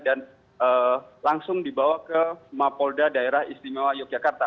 dan langsung dibawa ke mapolda daerah istimewa jogja kata